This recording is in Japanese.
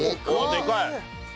でかい！